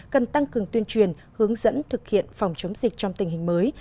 cần tăng cường tuyên truyền hướng dẫn thực hiện phòng chống dịch trong tình hình mới